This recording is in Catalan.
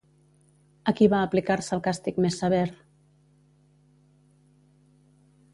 A qui va aplicar-se el càstig més sever?